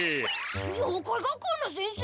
ようかい学校の先生！？